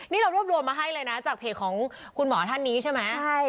นี่เรารวบรวมมาให้เลยนะจากเพจของคุณหมอท่านนี้ใช่ไหม